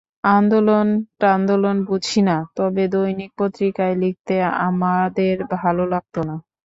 আন্দোলন-টান্দোলন বুঝি না, তবে দৈনিক পত্রিকায় লিখতে আমাদের ভালো লাগত না।